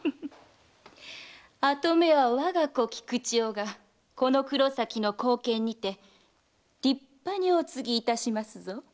跡目は我が子・菊千代がこの黒崎の後見にて立派にお継ぎいたしますぞ。